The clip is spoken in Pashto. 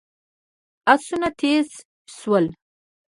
آسونه تېز شول.